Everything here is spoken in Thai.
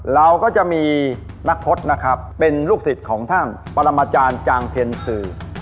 เราก็จะมีนักพจน์นะครับเป็นลูกศิษย์ของท่านปรมาจารย์จางเทนสื่อ